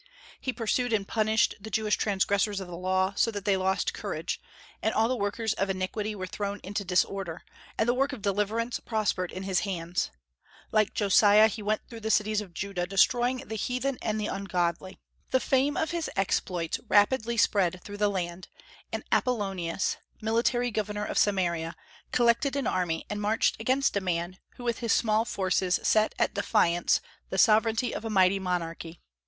He pursued and punished the Jewish transgressors of the Law, so that they lost courage, and all the workers of inquity were thrown into disorder, and the work of deliverance prospered in his hands. Like Josiah he went through the cities of Judah, destroying the heathen and the ungodly. The fame of his exploits rapidly spread through the land, and Apollonius, military governor of Samaria, collected an army and marched against a man who with his small forces set at defiance the sovereignty of a mighty monarchy.